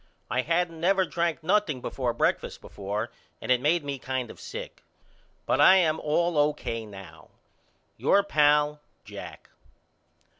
I hadn't never drank nothing before breakfast before and it made me kind of sick. But I am all O.K. now. Your pal, JACK.